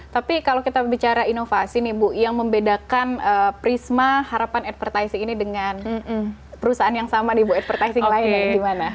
tapi kalau kita bicara inovasi nih bu yang membedakan prisma harapan advertising ini dengan perusahaan yang sama nih bu advertising lainnya gimana